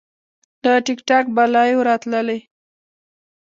له ټیک ټاک به لایو راتللی